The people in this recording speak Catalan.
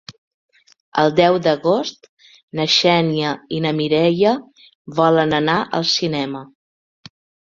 El deu d'agost na Xènia i na Mireia volen anar al cinema.